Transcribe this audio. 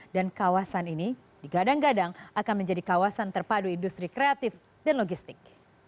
dan kawasan ini digadang gadang akan menjadi kawasan terpadu industri kreatif dan logistik